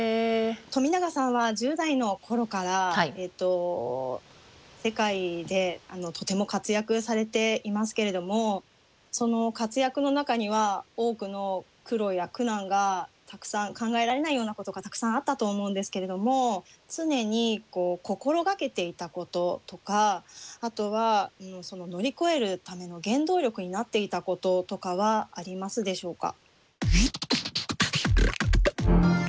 冨永さんは１０代の頃から世界でとても活躍されていますけれどもその活躍の中には多くの苦労や苦難がたくさん考えられないようなことがたくさんあったと思うんですけれども常に心がけていたこととかあとは乗り越えるための原動力になっていたこととかはありますでしょうか？